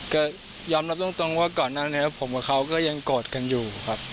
ก็ยอมรับตรงว่าก่อนหน้านี้ผมกับเขาก็ยังโกรธกันอยู่ครับ